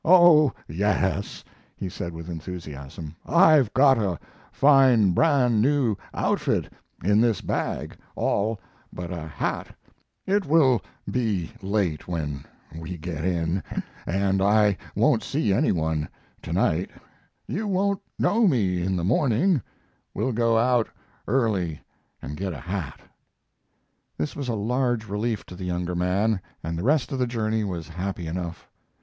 "Oh yes," he said with enthusiasm, "I've got a fine brand new outfit in this bag, all but a hat. It will be late when we get in, and I won't see any one to night. You won't know me in the morning. We'll go out early and get a hat." This was a large relief to the younger man, and the rest of the journey was happy enough.